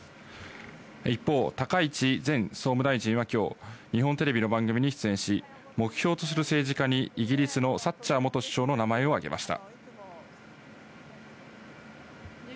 一方、高市前総務大臣は今日、日本テレビの番組に出演し、目標とする政治家にイギリスのサッチャー元首相の名前を挙げました。